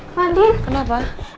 mbak andin kenapa